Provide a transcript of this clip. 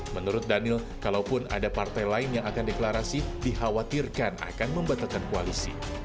menurut daniel kalaupun ada partai lain yang akan deklarasi dikhawatirkan akan membatalkan koalisi